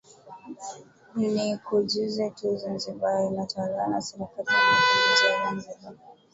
Nikujuze tu Zanzibar inatawaliwa na Serikali ya Mapinduzi ya Zanzibar